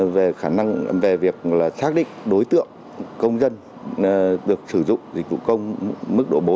về khả năng về việc xác định đối tượng công dân được sử dụng dịch vụ công mức độ bốn